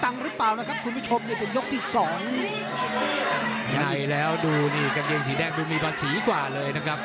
ไนแล้วดูนี่กะเกงสีแดงมาสีกว่าเลยนะครับ